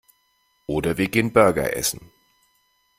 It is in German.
Oder wir gehen Burger essen.